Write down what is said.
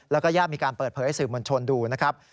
แล้วก็ญาติมีการเปิดเผยให้สื่อมวลชนดูนะครับ